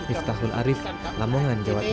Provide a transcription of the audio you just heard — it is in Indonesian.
iftahul arif lamongan jawa timur